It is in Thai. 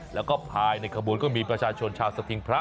แล้วก็ภายในขบวนก็มีประชาชนชาวสถิงพระ